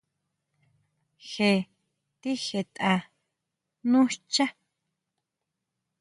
Je tijetʼa nú xchá.